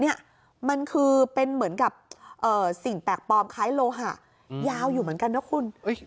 นี่มันคือเป็นเหมือนกับสิ่งแปลกปลอมคล้ายโลหะยาวอยู่เหมือนกันนะคุณ